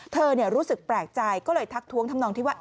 รู้สึกแปลกใจก็เลยทักท้วงทำนองที่ว่า